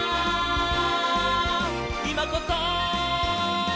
「いまこそ！」